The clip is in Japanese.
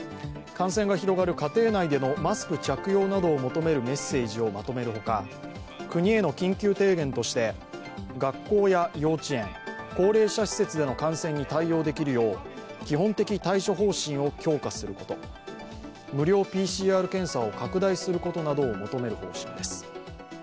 感染が広がる家庭内でのマスク着用などを求めるメッセージをまとめるほか国への緊急提言として、学校や幼稚園、高齢者施設での感染に対応できるよう基本的対処方針を強化すること、無料ＰＣＲ検査を拡大することなどを求める方針です。